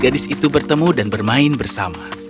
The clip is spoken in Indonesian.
dan gadis itu bertemu dan bermain bersama